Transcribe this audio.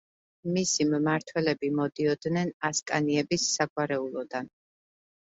მისი მმართველები მოდიოდნენ ასკანიების საგვარეულოდან.